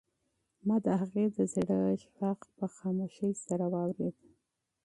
ما د هغې د زړه غږ په خاموشۍ کې واورېد.